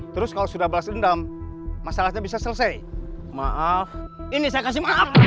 terus kalau sudah balas dendam masalahnya bisa selesai